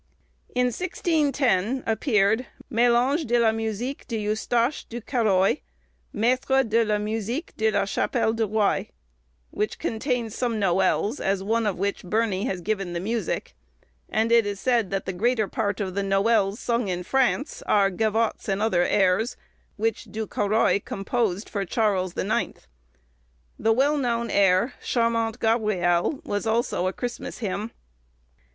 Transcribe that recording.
In 1610, appeared 'Melanges de la musique de Eustaché du Caurroy, maistre de la musique de la Chappelle du Roy,' which contains some noëls, of one of which Burney has given the music; and it is said that the greater part of the noëls sung in France are gavots and other airs, which Du Caurroy composed for Charles the Ninth. The well known air, 'Charmante Gabrielle,' was also a Christmas hymn.